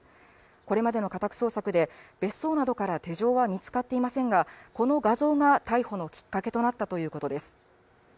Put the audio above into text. これまでの家宅捜索で、別荘などから手錠は見つかっていませんが、この画像が逮捕のきっかけとなったということです。